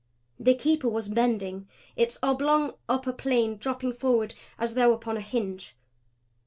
The Keeper was bending; its oblong upper plane dropping forward as though upon a hinge.